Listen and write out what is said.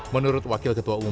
menurut wakil ketua presiden